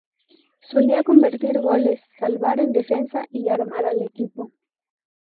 Solía convertir goles, salvar en defensa y armar al equipo.